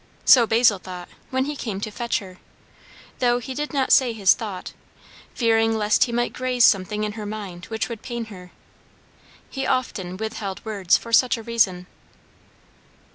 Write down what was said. So Basil thought, when he came to fetch her; though he did not say his thought, fearing lest he might graze something in her mind which would pain her. He often withheld words for such a reason.